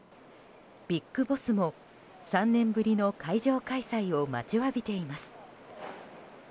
ＢＩＧＢＯＳＳも、３年ぶりの会場開催を待ちわびています。